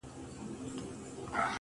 سم د قصاب د قصابۍ غوندي.